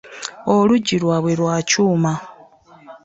Oluggi lwabwe lwa kyuma.